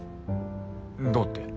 どうって？